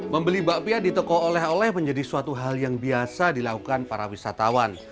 membeli bakpia di toko oleh oleh menjadi suatu hal yang biasa dilakukan para wisatawan